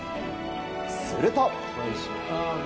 すると。